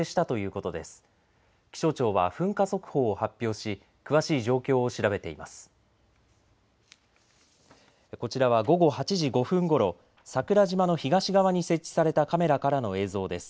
こちらは午後８時５分ごろ桜島の東側に設置されたカメラからの映像です。